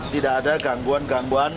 tidak ada gangguan gangguan